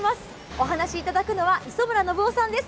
お話しいただくのは磯村信夫さんです。